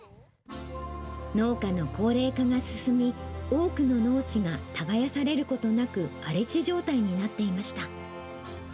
農家の高齢化が進み、多くの農地が耕されることなく荒れ地状態になっていました。